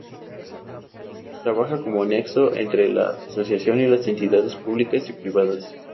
Trabaja como nexo entre la asociación y las entidades públicas y privadas.